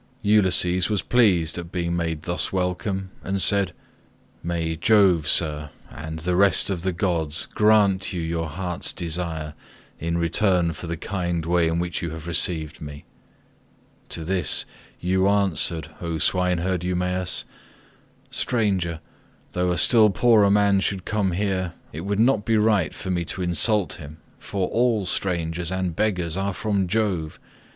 Ulysses was pleased at being made thus welcome, and said "May Jove, sir, and the rest of the gods grant you your heart's desire in return for the kind way in which you have received me." To this you answered, O swineherd Eumaeus, "Stranger, though a still poorer man should come here, it would not be right for me to insult him, for all strangers and beggars are from Jove.